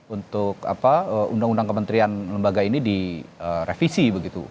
untuk undang undang kementerian lembaga ini direvisi begitu